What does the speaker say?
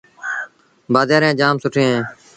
بآزآريٚݩ جآم سُٺيٚن اهيݩ۔